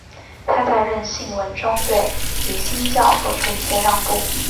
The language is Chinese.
他在认信文中对于新教做出一些让步。